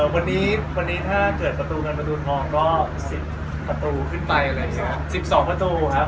วันนี้ถ้าเกิดประตูเงินประตูทองก็๑๐ประตูขึ้นไป๑๒ประตูครับ